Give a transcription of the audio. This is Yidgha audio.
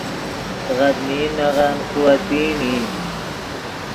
غدمین نغن قوتین ای